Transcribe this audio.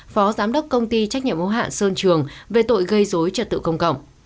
phó giám đốc công ty trách nhiệm ô hạn sơn trường về tội gây dối trật tự công cộng